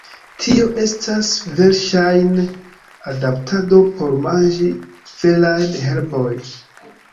Tio estas verŝajne adaptado por manĝi verajn herbojn.